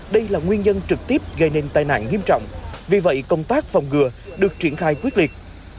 đây là nguyên nhân trực tiếp gây nên tai nạn nghiêm trọng vì vậy công tác phòng ngừa được triển khai quyết liệt